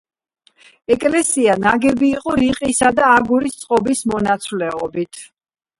ეკლესია ნაგები იყო რიყისა და აგურის წყობის მონაცვლეობით.